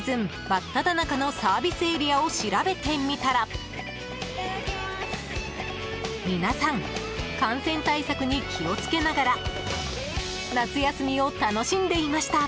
真っただ中のサービスエリアを調べてみたら皆さん感染対策に気をつけながら夏休みを楽しんでいました。